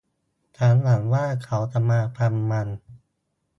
ฉันหวังว่าเขาจะมาฟังมัน